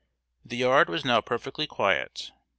The yard was now perfectly quiet.